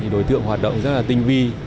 đối tượng hoạt động rất tinh vi